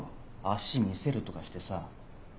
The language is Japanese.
脚見せるとかしてさ。